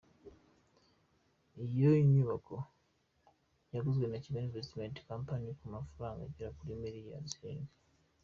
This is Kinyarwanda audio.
Iyo nyubako yaguzwe na Kigali Investment Company ku mafaranga agera kuri miliyari zirindwi.